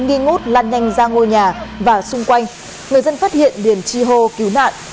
nghi ngút lan nhanh ra ngôi nhà và xung quanh người dân phát hiện điền chi hô cứu nạn